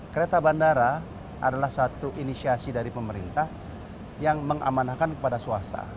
kereta bandara adalah satu inisiasi dari pemerintah yang mengamanahkan kepada swasta